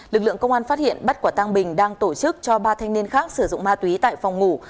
lực lượng công an phát hiện bắt quả tăng bình đang tổ chức cho ba thanh niên khác sử dụng ma túy tại phòng ngủ